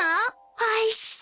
おいしそう。